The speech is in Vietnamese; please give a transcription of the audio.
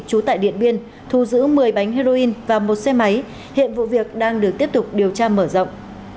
trú tại điện biên thu giữ một mươi bánh heroin và một xe máy hiện vụ việc đang được tiếp tục điều tra mở rộng